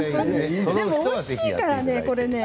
でもおいしいからね、これ。